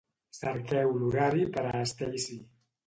Cerqueu l'horari per a Stacey.